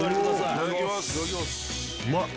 いただきます。